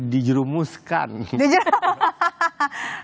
dijerumuskan ke dunia fashion